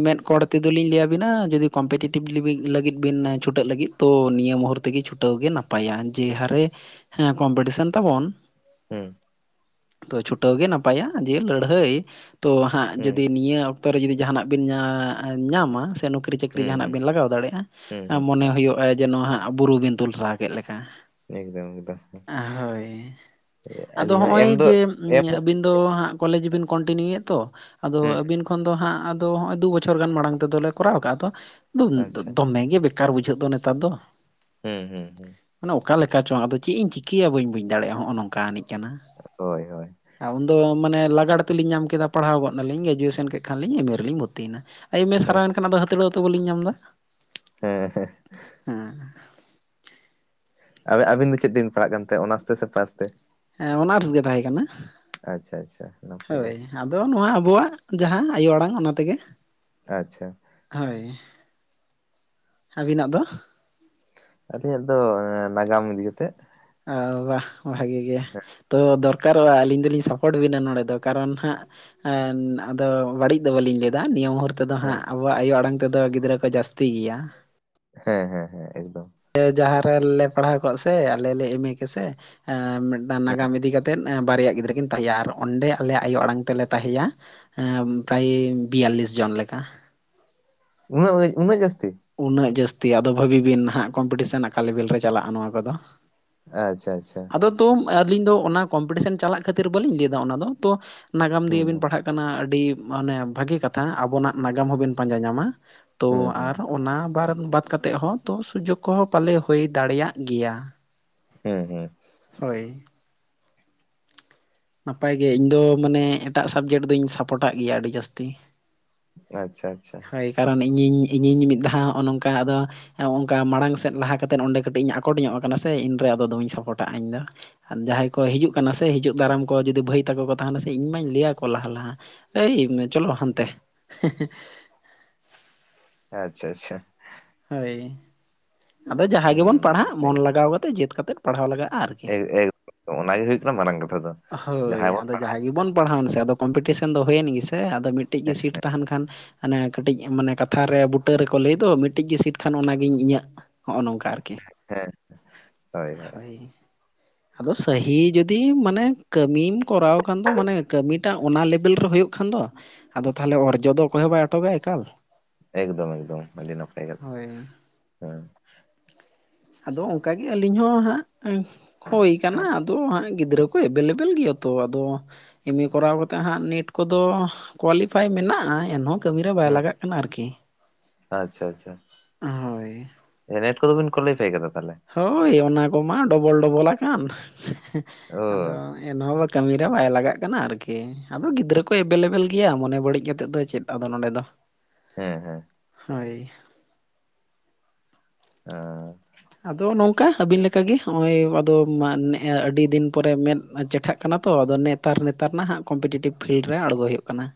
Speaker 1: ᱢᱮᱫ ᱠᱚᱬ ᱛᱮᱫᱚ ᱞᱤᱧ ᱞᱟᱹᱭᱵᱤᱱᱟ ᱡᱩᱫᱤ ᱠᱚᱢᱯᱤᱴᱤᱮᱴᱤᱵᱷ ᱞᱤᱵᱤ ᱞᱟᱹᱜᱤᱫ ᱵᱤᱱ ᱪᱷᱩᱴᱟᱹᱜ ᱞᱟᱹᱜᱤᱫ᱾ ᱛᱳ ᱱᱤᱭᱟᱹ ᱢᱩᱦᱩᱨᱛᱮ ᱜᱮ ᱪᱷᱩᱴᱟᱹᱣ ᱜᱮ ᱱᱟᱯᱟᱭᱟ ᱡᱮ ᱦᱟᱨᱮ ᱦᱮᱸ ᱠᱚᱢᱯᱤᱴᱤᱥᱮᱱ ᱛᱟᱵᱚᱱ᱾
Speaker 2: ᱦᱩᱸ᱾
Speaker 1: ᱟᱫᱚ ᱪᱷᱩᱴᱟᱹᱣ ᱜᱮ ᱱᱟᱯᱟᱭᱟ ᱡᱮ ᱞᱟᱹᱲᱦᱟᱹᱭ᱾ ᱛᱳ ᱦᱟᱸᱜ
Speaker 2: ᱦᱩᱸ
Speaker 1: ᱡᱩᱫᱤ ᱱᱤᱭᱟᱹ ᱚᱠᱛᱚ ᱨᱮ ᱡᱩᱫᱤ ᱡᱟᱦᱟᱸᱱᱟᱜ ᱵᱤᱱ ᱧᱟ ᱧᱟᱢᱟ ᱥᱮ ᱱᱚᱠᱟ ᱪᱟᱹᱠᱨᱤ ᱪᱟᱹᱠᱨᱤ
Speaker 2: ᱦᱩᱸ
Speaker 1: ᱡᱟᱦᱟᱸᱱᱟᱜ
Speaker 2: ᱦᱩᱸ
Speaker 1: ᱵᱤᱱ ᱞᱟᱜᱟᱣ ᱫᱟᱲᱮᱭᱟᱜᱼᱟ,
Speaker 2: ᱦᱩᱸ ᱦᱩᱸ
Speaker 1: ᱢᱚᱱᱮ ᱦᱩᱭᱩᱜᱼᱟ, ᱡᱮ ᱱᱚᱣᱟ ᱦᱟᱸᱜ ᱵᱩᱨᱩ ᱵᱤᱱ ᱛᱩᱞ ᱥᱟᱦᱟ ᱠᱮᱫ ᱞᱮᱠᱟ᱾
Speaker 2: ᱮᱠᱫᱚᱢ ᱮᱠᱫᱚᱢ᱾
Speaker 1: ᱦᱳᱭ, ᱟᱫᱚ
Speaker 2: ᱟᱹᱞᱤᱧ ᱦᱚᱸ ᱮᱢ
Speaker 1: ᱦᱚᱜᱼᱚᱭ
Speaker 2: ᱫᱚ ᱮᱢ
Speaker 1: ᱵᱤᱱ ᱫᱚ ᱦᱟᱸᱜ ᱠᱚᱞᱮᱡ ᱵᱤᱱ ᱠᱚᱱᱴᱤᱱᱤᱭᱩᱭᱟ ᱛᱚ, ᱟᱫᱚ
Speaker 2: ᱦᱩᱸ
Speaker 1: ᱟᱵᱤᱱ ᱠᱷᱚᱱ ᱫᱚ ᱦᱟᱸᱜ ᱟᱫᱚ ᱦᱚᱸᱜᱼᱚᱭ ᱫᱩ ᱵᱚᱪᱷᱚᱨ ᱜᱟᱱ ᱢᱟᱲᱟᱝ ᱛᱮᱫᱚᱞᱮ ᱠᱚᱨᱟᱣ ᱠᱟᱜᱼᱟ ᱛᱚ, ᱫᱩᱢ
Speaker 2: ᱟᱪᱪᱷᱟ
Speaker 1: ᱫᱚᱢᱮ ᱜᱮ ᱵᱮ ᱠᱟᱨ ᱵᱩᱡᱷᱟᱹᱜ ᱫᱚ ᱱᱮᱛᱟᱨ ᱫᱚ᱾
Speaker 2: ᱦᱩᱸ ᱦᱩᱸ᱾
Speaker 1: ᱱᱮ ᱚᱠᱟ ᱞᱮᱠᱟ ᱪᱚ ᱟᱫᱚ ᱤᱧ ᱪᱤᱠᱟᱹᱭᱟ ᱵᱟᱹᱧ ᱵᱩᱡ ᱫᱟᱲᱮᱭᱟᱜᱼᱟ, ᱱᱚᱜᱼᱚ ᱱᱚᱝᱠᱟ ᱟᱱᱤᱡ ᱠᱟᱱᱟ᱾
Speaker 2: ᱦᱳᱭ ᱦᱳᱭ᱾
Speaker 1: ᱟᱨ ᱩᱱᱫᱚ ᱢᱟᱱᱮ ᱞᱟᱜᱟᱲ ᱛᱮᱞᱤᱧ ᱧᱟᱢ ᱠᱮᱫᱟ ᱯᱟᱲᱦᱟᱣ ᱜᱚᱫ ᱱᱟᱞᱤᱧ ᱜᱨᱮᱡᱩᱭᱮᱥᱮᱱ ᱠᱮᱫ ᱠᱷᱟᱱᱞᱤᱧ ᱮᱢ ᱮ ᱨᱮᱞᱤᱧ ᱵᱷᱚᱨᱛᱤᱭᱮᱱᱟ᱾ ᱮᱢ ᱮ
Speaker 2: ᱦᱮᱸ
Speaker 1: ᱥᱟᱨᱟᱣᱮᱱ ᱠᱷᱟᱱ ᱟᱫᱚ ᱦᱟᱹᱛᱲᱟᱹᱣᱛᱮ ᱵᱟᱹᱞᱤᱧ ᱧᱟᱢ ᱮᱫᱟ᱾
Speaker 2: ᱦᱮᱸ ᱦᱮᱸ᱾
Speaker 1: ᱦᱮᱸ᱾
Speaker 2: ᱟᱵᱤ ᱟᱵᱤᱱ ᱫᱚ ᱪᱮᱫ ᱛᱮᱵᱤᱱ ᱯᱟᱲᱦᱟᱜ ᱠᱟᱱ ᱛᱮ ᱚᱱᱟᱥ ᱛᱮ ᱥᱮ ᱯᱷᱟᱥ ᱛᱮ?
Speaker 1: ᱦᱮᱸ ᱚᱱᱟᱨᱥ ᱜᱮ ᱛᱟᱦᱮᱸ ᱠᱟᱱᱟ
Speaker 2: ᱟᱪᱪᱷᱟ ᱟᱪᱪᱷᱟ ᱱᱟᱯᱟᱭ ᱜᱮ
Speaker 1: ᱦᱳᱭ᱾ ᱟᱫᱚ ᱱᱚᱣᱟ ᱟᱵᱚᱣᱟᱜ, ᱡᱟᱦᱟᱸ ᱟᱭᱳ ᱟᱲᱟᱝ ᱚᱱᱟ ᱛᱮᱜᱮ᱾
Speaker 2: ᱟᱪᱪᱷᱟ᱾
Speaker 1: ᱦᱳᱭ ᱟᱹᱵᱤᱱᱟᱜ ᱫᱚ?
Speaker 2: ᱟᱹᱞᱤᱧᱟᱜ ᱫᱚ ᱱᱟᱜᱟᱢ ᱤᱫᱤ ᱠᱟᱛᱮ᱾
Speaker 1: ᱣᱚ ᱵᱟᱷ ᱵᱷᱟᱜᱤ ᱜᱮ᱾ ᱛᱚ ᱫᱚᱨᱠᱟᱨᱚᱜᱼᱟ ᱟᱹᱞᱤᱧ ᱫᱚᱞᱤᱧ ᱥᱟᱯᱳᱴ ᱵᱤᱱᱟ ᱱᱚᱸᱰᱮ ᱫᱚ ᱠᱟᱨᱚᱱ ᱱᱷᱟᱸᱜ, ᱦᱮᱸ ᱟᱫᱚ ᱵᱟᱹᱲᱤᱡ ᱫᱚ ᱵᱟᱞᱤᱧ ᱞᱮᱭ ᱫᱟ ᱱᱤᱭᱟᱹ ᱢᱩᱨ ᱛᱮᱫᱚ
Speaker 2: ᱦᱮᱸ
Speaker 1: ᱦᱟᱸᱜ ᱟᱵᱚᱣᱟᱜ ᱟᱭᱳ ᱟᱲᱟᱝ ᱛᱮᱫᱚ ᱜᱤᱫᱽᱨᱟᱹ ᱠᱚ ᱡᱟᱹᱥᱛᱤ ᱜᱮᱭᱟ᱾
Speaker 2: ᱦᱮᱸ ᱦᱮᱸ ᱦᱮᱸ ᱮᱠᱫᱚᱢ᱾
Speaker 1: ᱞᱮ ᱡᱟᱦᱟᱸ ᱨᱮᱞᱮ ᱯᱟᱲᱦᱟᱣ ᱠᱚᱜ ᱥᱮ ᱟᱞᱮ ᱞᱮ ᱮᱢᱮ ᱠᱮᱥᱮ᱾ ᱢᱤᱫᱴᱟᱝ
Speaker 2: ᱦᱮᱸ
Speaker 1: ᱱᱟᱜᱟᱢ ᱤᱫᱤ ᱠᱟᱛᱮᱫ ᱵᱟᱨᱭᱟ ᱜᱤᱫᱽᱨᱟᱹ ᱠᱤᱱ ᱛᱟᱦᱮᱸᱜᱼᱟ ᱟᱨ ᱚᱸᱰᱮ ᱟᱞᱮᱭᱟᱜ ᱟᱭᱳ ᱟᱲᱟᱝ ᱛᱮᱞᱮ ᱛᱟᱦᱮᱸᱭᱟ᱾ ᱯᱮᱨᱟᱭ ᱵᱤᱭᱟᱞᱞᱤᱥ ᱡᱚᱱ ᱞᱮᱠᱟ᱾
Speaker 2: ᱩᱱᱟᱹᱜ ᱩᱭ ᱩᱱᱟᱹᱜ ᱡᱟᱹᱥᱛᱤ
Speaker 1: ᱩᱱᱟᱹᱜ ᱡᱟᱹᱥᱛᱤ ᱟᱫᱚ ᱵᱷᱟᱹᱵᱤ ᱵᱤᱱ ᱱᱟᱦᱟᱜ ᱠᱚᱢᱯᱤᱴᱤᱥᱮᱱ ᱟᱠᱟ ᱞᱮᱵᱮᱞ ᱨᱮ ᱪᱟᱞᱟᱜᱼᱟ ᱱᱚᱣᱟ ᱠᱚᱫᱚ᱾
Speaker 2: ᱟᱪᱪᱷᱟ ᱟᱪᱪᱷᱟ᱾
Speaker 1: ᱟᱫᱚ ᱛᱚᱢ ᱟᱹᱞᱤᱧ ᱫᱚ ᱚᱱᱟ ᱠᱚᱢᱯᱤᱴᱤᱥᱮᱱ ᱪᱟᱞᱟᱜ ᱠᱷᱟᱹᱛᱤᱨ ᱵᱟᱹᱞᱤᱧ ᱞᱟᱹᱭᱫᱟ ᱚᱱᱟᱫᱚ ᱛᱚ᱾ ᱱᱟᱜᱟᱢ ᱫᱤᱭᱮ ᱵᱤᱱ
Speaker 2: ᱦᱩᱸ
Speaker 1: ᱯᱟᱲᱦᱟᱜ ᱠᱟᱱᱟ ᱟᱹᱰᱤ ᱢᱟᱱᱮ ᱵᱷᱟᱹᱜᱤ ᱠᱟᱛᱷᱟ ᱟᱵᱚᱱᱟᱜ ᱱᱟᱜᱟᱢ ᱦᱚᱸᱵᱤᱱ ᱯᱟᱸᱡᱟ ᱧᱟᱢᱟ᱾ ᱛᱚ
Speaker 2: ᱦᱩᱸ ᱦᱩᱸ
Speaker 1: ᱟᱨ ᱚᱱᱟ ᱵᱟᱨ ᱵᱟᱫᱽ ᱠᱟᱛᱮᱫ ᱦᱚᱸ ᱛᱚ ᱥᱩᱡᱳᱜᱽ ᱠᱚᱦᱚᱸ ᱯᱟᱞᱮ ᱦᱩᱭ ᱫᱟᱲᱮᱭᱟᱜ ᱜᱮᱭᱟ᱾
Speaker 2: ᱦᱩᱸ ᱦᱩᱸ
Speaker 1: ᱦᱳᱭ᱾ ᱱᱟᱯᱟᱭ ᱜᱮ ᱤᱧ ᱫᱚ ᱢᱟᱱᱮ ᱮᱴᱟᱜ ᱥᱟᱵᱽᱡᱮᱴ ᱫᱚᱧ ᱥᱟᱯᱚᱴᱟᱜ ᱜᱮᱭᱟ ᱟᱹᱰᱤ ᱡᱟᱹᱥᱛᱤ᱾
Speaker 2: ᱟᱪᱪᱷᱟ ᱟᱪᱪᱷᱟ
Speaker 1: ᱦᱳᱭ ᱠᱟᱨᱚᱱ ᱤᱧᱤᱧ ᱤᱧᱤᱧ ᱢᱤᱫ ᱫᱷᱟᱣ ᱱᱚᱜᱼᱚᱭ ᱱᱚᱝᱠᱟ ᱟᱫᱚ ᱚᱱᱠᱟ ᱢᱟᱲᱟᱝ ᱥᱮᱫ ᱞᱟᱦᱟ ᱠᱟᱛᱮᱫ ᱚᱸᱰᱮ ᱠᱟᱹᱴᱤᱡ ᱤᱧ ᱟᱠᱚᱴ ᱧᱚᱜ ᱠᱟᱱᱟ ᱥᱮ ᱤᱧᱨᱮ ᱟᱫᱚ ᱫᱚᱢᱮᱧ ᱥᱟᱯᱨᱚᱴᱟᱜᱼᱟ ᱤᱧᱫᱚ᱾ ᱟᱨ ᱡᱟᱦᱟᱸᱭ ᱠᱚ ᱦᱤᱡᱩᱜ ᱠᱟᱱᱟ ᱥᱮ ᱦᱤᱡᱩᱜ ᱫᱟᱨᱟᱢ ᱠᱚ ᱡᱩᱫᱤ ᱵᱟᱹᱭ ᱛᱟᱠᱚ ᱠᱚ ᱛᱟᱦᱮᱱᱟ ᱥᱮ ᱤᱧ ᱢᱟᱧ ᱞᱮᱭᱟᱠᱚᱣᱟ ᱞᱟᱦᱟ ᱞᱟᱦᱟ᱾ ᱟᱹᱭ ᱪᱚᱞᱚ ᱦᱟᱱᱛᱮ᱾
Speaker 2: ᱦᱮᱸ. ᱟᱪᱪᱷᱟ ᱟᱪᱪᱷᱟ᱾
Speaker 1: ᱦᱳᱭ ᱟᱫᱚ ᱡᱟᱦᱟᱸᱭ ᱜᱮᱵᱚᱱ
Speaker 2: ᱦᱩᱸ
Speaker 1: ᱯᱟᱲᱦᱟᱜ ᱢᱚᱱ ᱞᱟᱜᱟᱣ ᱠᱟᱛᱮᱫ ᱡᱮᱛ ᱠᱟᱛᱮᱫ ᱯᱟᱲᱦᱟᱣ ᱞᱟᱜᱟᱜᱼᱟ ᱟᱨᱠᱤ᱾
Speaker 2: ᱮ ᱮᱜ ᱫᱚᱢ ᱚᱱᱟ ᱦᱩᱭᱩᱜ ᱠᱟᱱᱟ ᱢᱟᱨᱟᱝ ᱠᱟᱛᱷᱟ ᱫᱚ
Speaker 1: ᱦᱳᱭ
Speaker 2: ᱡᱟᱦᱟᱸᱭ ᱵᱚᱱ
Speaker 1: ᱟᱫᱚ
Speaker 2: ᱯᱟᱲ
Speaker 1: ᱜᱮᱵᱚᱱ ᱯᱟᱲᱦᱟᱣᱮᱱ ᱥᱮ ᱟᱫᱚ ᱠᱚᱢᱯᱤᱴᱤᱥᱮᱱ ᱫᱚ ᱦᱩᱭᱮᱱ ᱜᱮᱥᱮ ᱟᱫᱚ ᱢᱤᱫᱴᱤᱡ ᱜᱮ ᱥᱤᱴ ᱛᱟᱦᱮᱱ ᱠᱷᱟᱱ, ᱦᱟᱱᱮ ᱠᱟᱹᱴᱤᱡ ᱢᱟᱱᱮ ᱠᱟᱛᱷᱟᱨᱮ ᱵᱩᱴᱟᱹ ᱨᱮᱠᱚ ᱞᱟᱹᱭ ᱫᱚ ᱢᱤᱫ, ᱴᱤᱡ ᱜᱮ ᱥᱤᱴ ᱠᱷᱟᱱ ᱚᱱᱟᱜᱮᱧ ᱤᱧᱟᱹᱜ ᱱᱚᱜᱼᱚ ᱱᱚᱝᱠᱟ ᱟᱨᱠᱤ᱾
Speaker 2: ᱦᱮᱸ ᱦᱳᱭ ᱦᱳᱭ᱾
Speaker 1: ᱟᱫᱚ ᱥᱟᱦᱤ ᱡᱩᱫᱤ ᱢᱟᱱᱮ ᱠᱟᱹᱢᱤᱢ ᱠᱚᱨᱟᱣ ᱠᱷᱟᱱ ᱫᱚ ᱢᱟᱱᱮ ᱠᱟᱹᱢᱤᱴᱟᱜ ᱚᱱᱟ ᱞᱮᱵᱮᱞ ᱨᱮ ᱦᱩᱭᱩᱜ ᱠᱷᱟᱱ ᱫᱚ, ᱟᱫᱚ ᱛᱟᱦᱚᱞᱮ ᱚᱨᱡᱚ ᱫᱚ ᱚᱠᱚᱭ ᱦᱚᱸ ᱵᱟᱭ ᱚᱴᱚᱠᱟ ᱮᱠᱟᱞ᱾
Speaker 2: ᱮᱠᱫᱚᱢ ᱮᱠᱫᱚᱢ ᱟᱰᱤ ᱱᱟᱯᱟᱭ ᱠᱟᱛᱷᱟ
Speaker 1: ᱦᱳᱭ
Speaker 2: ᱦᱮᱸ᱾
Speaker 1: ᱟᱫᱚ ᱚᱱᱠᱟᱜᱮ ᱟᱹᱞᱤᱧ ᱦᱚᱸ ᱦᱟᱸᱜ, ᱦᱩᱭ ᱠᱟᱱᱟ ᱟᱫᱚ ᱦᱟᱸᱜ ᱜᱤᱫᱽᱨᱟᱹ ᱠᱚ ᱮᱵᱮᱞᱮᱵᱮᱞ ᱜᱮᱭᱟ ᱛᱚ ᱟᱫᱚ, ᱮᱢ ᱮ ᱠᱚᱨᱟᱣ ᱠᱟᱛᱮ ᱦᱟᱸᱜ ᱱᱮᱴ ᱠᱚᱫᱚ ᱠᱳᱣᱟᱞᱤᱯᱷᱟᱭ ᱢᱮᱱᱟᱜᱼᱟ ᱮᱱᱦᱚᱸ, ᱠᱟᱹᱢᱤᱨᱮ ᱵᱟᱭ ᱞᱟᱜᱟᱜ ᱠᱟᱱᱟ ᱟᱨᱠᱤ ᱾
Speaker 2: ᱟᱪᱪᱷᱟ ᱟᱪᱪᱷᱟ ᱟᱪᱪᱷᱟ
Speaker 1: ᱦᱳᱭ
Speaker 2: ᱱᱮᱴ ᱠᱚᱫᱚ ᱵᱤᱱ ᱠᱳᱞᱤᱯᱷᱟᱭ ᱠᱟᱫᱟ ᱛᱟᱦᱚᱞᱮ?
Speaker 1: ᱦᱳᱭ ᱚᱱᱟ ᱠᱚᱢᱟ ᱰᱚᱵᱚᱞ ᱰᱚᱵᱚᱞ ᱟᱠᱟᱱ,
Speaker 2: ᱚ
Speaker 1: ᱟᱫᱚ ᱮᱱᱦᱚᱸ ᱵᱟ ᱠᱟᱹᱢᱤᱨᱮ ᱵᱟᱭ ᱞᱟᱜᱟᱜ ᱠᱟᱱᱟ ᱟᱨᱠᱤ, ᱟᱫᱚ ᱜᱤᱫᱽᱨᱟᱹ ᱠᱚ ᱮᱵᱮᱞᱮᱵᱮᱞ ᱜᱮᱭᱟ ᱢᱚᱱᱮ ᱵᱟᱹᱲᱤᱡ ᱠᱟᱛᱮᱜ ᱫᱚ ᱪᱮᱫ ᱟᱫᱚ ᱱᱚᱸᱰᱮ ᱫᱚ ᱾
Speaker 2: ᱦᱮᱸ ᱦᱮᱸ
Speaker 1: ᱦᱳᱭ
Speaker 2: ᱦᱚᱸ
Speaker 1: ᱟᱫᱚ ᱱᱚᱝᱠᱟ ᱟᱹᱵᱤᱱ ᱞᱮᱠᱟᱜᱮ ᱱᱚᱜᱼᱚᱭ ᱟᱫᱚ ᱟᱹᱰᱤ ᱫᱤᱱ ᱯᱚᱨᱮ ᱢᱮᱸᱫ ᱪᱮᱴᱷᱟᱜ ᱠᱟᱱᱟ ᱛᱚ ᱟᱫᱚ ᱱᱮᱛ ᱱᱮᱛᱟᱨ ᱱᱮᱛᱟᱨ ᱱᱟᱦᱟᱜ ᱠᱚᱢᱯᱤᱴᱤᱴᱤᱵᱽ ᱯᱷᱤᱞᱰ ᱨᱮ ᱟᱬᱜᱚᱭ ᱦᱩᱭᱩᱜ ᱠᱟᱱᱟ ᱾